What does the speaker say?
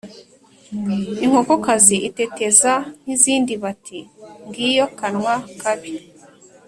Inkokokazi iteteza nk’izindi bati ngiyo kanwa kabi.